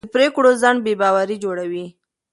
د پرېکړو ځنډ بې باوري جوړوي